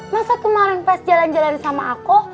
masa kemarin pas jalan jalan sama aku